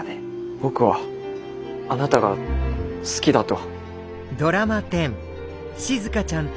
僕はあなたが好きだと。